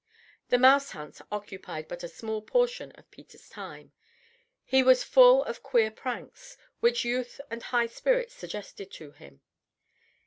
The mouse hunts occupied but a small portion of Peter's time. He was full of queer pranks, which youth and high spirits suggested to him.